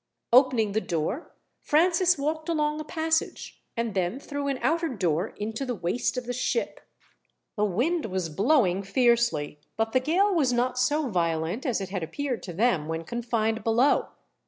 Opening the door, Francis walked along a passage, and then through an outer door into the waist of the ship. The wind was blowing fiercely, but the gale was not so violent as it had appeared to them when confined below.